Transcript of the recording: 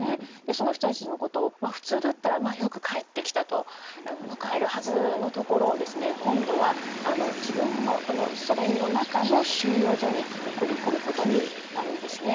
その人たちのことを普通だったら「よく帰ってきた」と迎えるはずのところを今度は自分のソ連の中の収容所に送り込むことになるんですね。